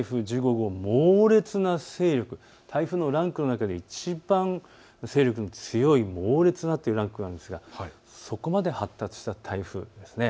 これは台風１５号、猛烈な勢力、台風のランクの中でいちばん勢力の強い猛烈な、というランクがあるのですがそこまで発達した台風なんです。